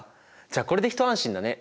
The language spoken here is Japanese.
じゃあこれで一安心だね。